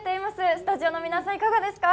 スタジオの皆さん、いかがですか？